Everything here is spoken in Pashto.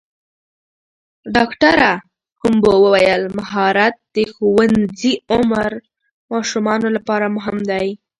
ډاکټره هومبو وویل مهارت د ښوونځي عمر ماشومانو لپاره مهم دی.